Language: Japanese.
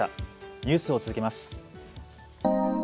ニュースを続けます。